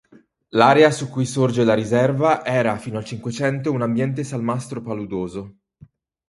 L'area su cui sorge la Riserva era, fino al Cinquecento, un ambiente salmastro paludoso.